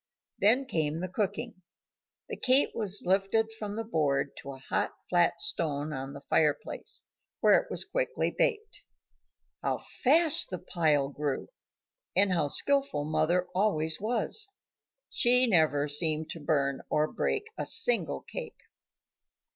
Then came the cooking. The cake was lifted from the board to a hot flat stone on the fireplace, where it was quickly baked. How fast the pile grew! and how skilful mother always was. She never seemed to burn or break a single cake.